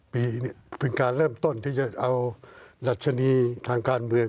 ปีเป็นการเริ่มต้นที่จะเอาดัชนีทางการเมือง